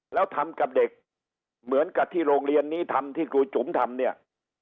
แล้วทำกับเด็กเหมือนกับที่โรงเรียนนี้ทำที่ครูจุ๋มทำเนี่ย